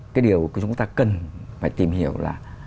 cái điều chúng ta cần phải tìm hiểu là